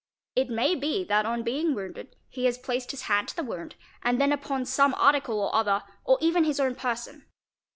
It may be that on being wounded he has placed. his hand to the wound and then upon some article or other or even his own person.